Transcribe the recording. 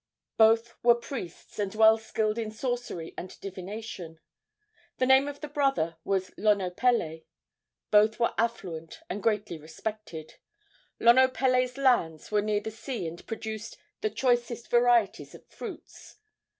Both were priests and well skilled in sorcery and divination. The name of the brother was Lonopele. Both were affluent and greatly respected. Lonopele's lands were near the sea and produced the choicest varieties of fruits.